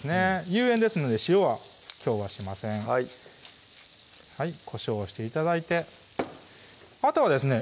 有塩ですので塩はきょうはしませんこしょうをして頂いてあとはですね